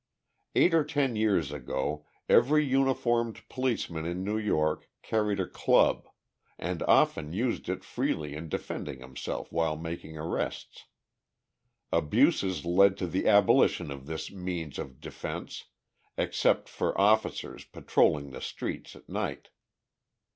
Eight or ten years ago, every uniformed policeman in New York carried a club, and often used it freely in defending himself while making arrests. Abuses led to the abolition of this means of defense except for officers patrolling the streets at night.